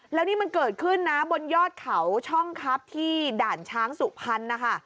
แล้วนี่มันเกิดขึ้นนะบนยอดเขาช่องครับที่ด่านช้างสุพรรณนะคะ